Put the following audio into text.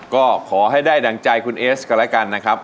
ที่จะได้ดั่งใจคุณเอสกับรายการนะครับ